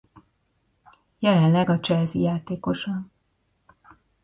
Jelenleg a Chelsea játékosa.